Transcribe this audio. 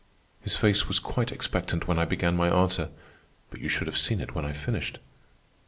"His face was quite expectant when I began my answer, but you should have seen it when I finished.